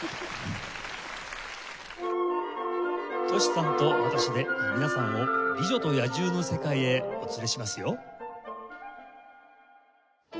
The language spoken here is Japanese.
Ｔｏｓｈｌさんと私で皆さんを『美女と野獣』の世界へお連れしますよ。